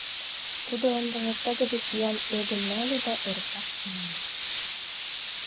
— Тудо ындыже тыгыде пӱян ӧгым нале да эрыкташ тӱҥале.